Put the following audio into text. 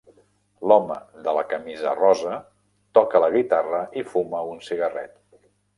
L'home de la camisa rosa toca la guitarra i fuma un cigarret.